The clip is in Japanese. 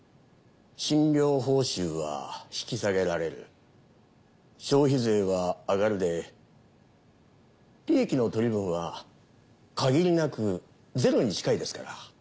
診療報酬は引き下げられる消費税は上がるで利益の取り分はかぎりなくゼロに近いですから。